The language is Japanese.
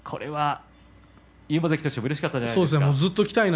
これは勇磨関としてもうれしかったんじゃないですか。